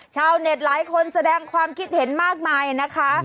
ชาวเน็ตหลายคนแสดงความคิดเห็นมากมายนะคะ